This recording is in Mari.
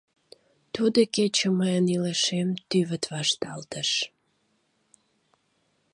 Тудо кече мыйын илышем тӱвыт вашталтыш...